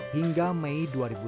hingga mei dua ribu sembilan belas